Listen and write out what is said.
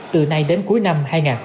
từ nay đến cuối năm hai nghìn hai mươi